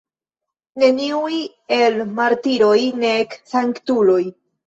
Neniuj el martiroj, nek sanktuloj.